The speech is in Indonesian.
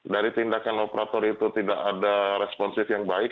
dari tindakan operator itu tidak ada responsif yang baik